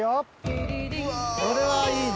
これはいいね